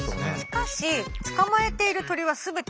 しかし捕まえている鳥は全て渡り鳥。